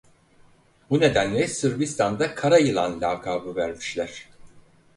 Bu nedenle Sırbistan'da "Kara Yılan" lakabı vermişler.